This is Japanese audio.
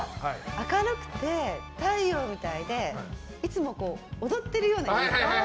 明るくて太陽みたいでいつも踊っているようなイメージ。